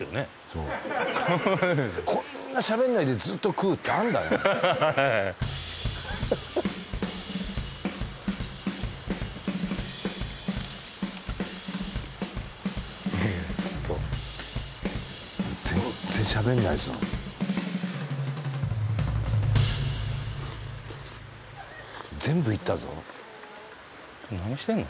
そうこんなしゃべんないでずっと食うってあるんだね全然しゃべんないですもん全部いったぞ何してんの？